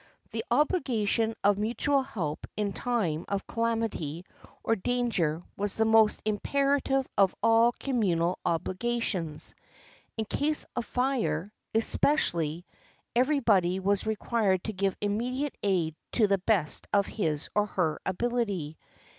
The obligation of mutual help in time of calamity or danger was the most imperative of all communal obliga 342 HOW A MAN BECAME A GOD tions. In case of fire, especially, everybody was required to give immediate aid to the best of his or her ability.